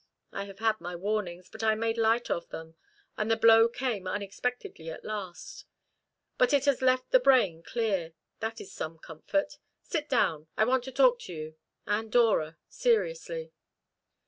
I have had my warnings, but I made light of them, and the blow came unexpectedly at last. But it has left the brain clear. That is some comfort. Sit down; I want to talk to you and Dora seriously."